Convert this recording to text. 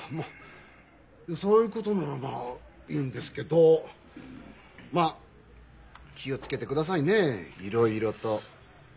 そういうことならまあいいんですけどまあ気を付けてくださいねいろいろと。